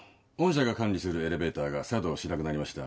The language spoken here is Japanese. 御社が管理するエレベーターが作動しなくなりました。